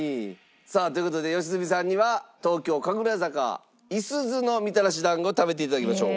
さあという事で良純さんには東京神楽坂五十鈴のみたらし団子を食べて頂きましょう。